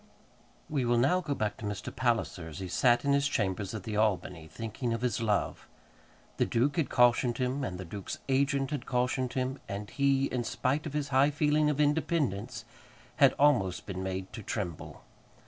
We will now go back to Mr. Palliser as he sat in his chambers at the Albany, thinking of his love. The duke had cautioned him, and the duke's agent had cautioned him; and he, in spite of his high feeling of independence, had almost been made to tremble.